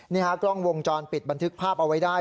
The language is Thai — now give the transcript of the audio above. นี่ฮะกล้องวงจรปิดบันทึกภาพเอาไว้ได้